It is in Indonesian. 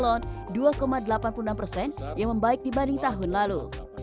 dua delapan puluh enam persen yang membaik dibanding tahun lalu